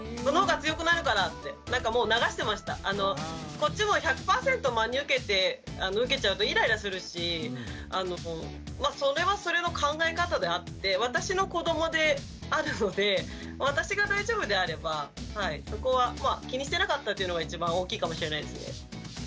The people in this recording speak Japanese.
こっちも１００％真に受けちゃうとイライラするしそれはそれの考え方であって私の子どもであるので私が大丈夫であればそこは気にしてなかったというのが一番大きいかもしれないですね。